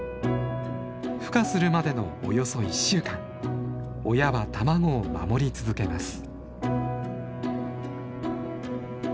ふ化するまでのおよそ１週間親は卵を守り続けます。